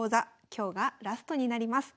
今日がラストになります。